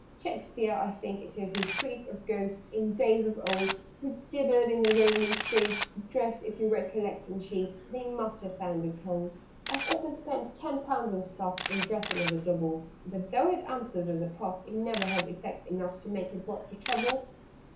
"Shakspeare I think it is who treats Of Ghosts, in days of old, Who 'gibbered in the Roman streets,' Dressed, if you recollect, in sheets They must have found it cold. "I've often spent ten pounds on stuff, In dressing as a Double; But, though it answers as a puff, It never has effect enough To make it worth the trouble.